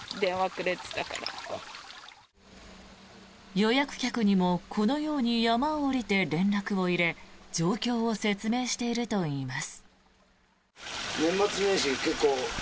予約客にもこのように山を下りて連絡を入れ状況を説明しているといいます。